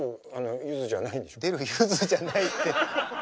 出るゆづじゃないって。